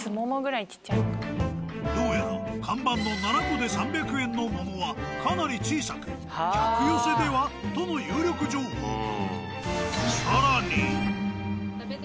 どうやら看板の７個で３００円の桃はかなり小さく客寄せでは？との有力情報が。